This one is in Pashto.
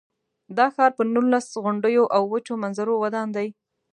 دا ښار پر نولس غونډیو او وچو منظرو ودان دی.